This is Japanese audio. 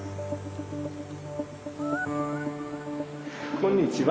こんにちは。